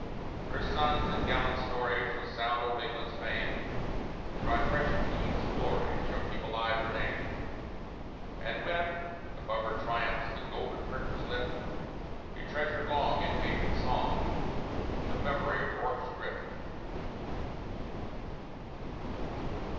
Her sons, in gallant story, Shall sound old England's fame, And by fresh deeds of glory Shall keep alive her name; And when, above her triumphs, The golden curtains lift Be treasured long, in page and song, The memory of RORKE'S DRIFT.